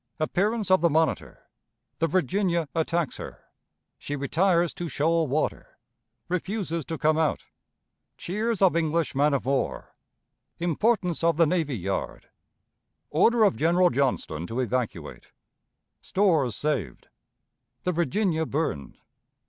Appearance of the Monitor. The Virginia attacks her. She retires to Shoal Water. Refuses to come out. Cheers of English Man of war. Importance of the Navy Yard. Order of General Johnston to evacuate. Stores saved. The Virginia burned.